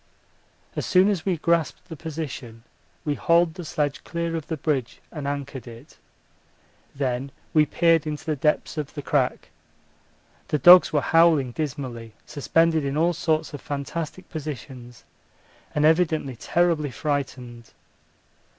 As soon as we grasped the position, we hauled the sledge clear of the bridge and anchored it. Then we peered into the depths of the crack. The dogs were howling dismally, suspended in all sorts of fantastic positions and evidently terribly frightened.